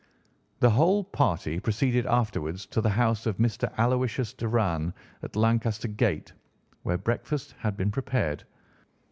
The whole party proceeded afterwards to the house of Mr. Aloysius Doran, at Lancaster Gate, where breakfast had been prepared.